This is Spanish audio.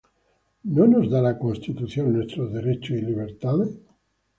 ¿No nos da la Constitución nuestros derechos y libertades?